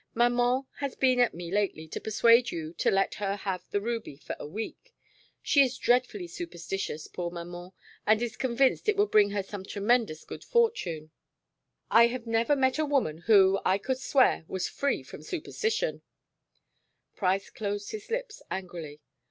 Maman has been at me lately to persuade you to let her have the ruby for a week. She is dreadfully superstitious, poor maman, and is convinced it would bring her some tremendous good fortune " "I have never met a woman who, I could swear, was freer from superstition " Price closed his lips angrily.